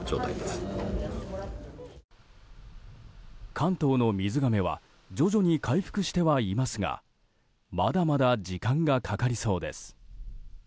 関東の水がめは徐々に回復してはいますがまだまだ時間がかかりそうです。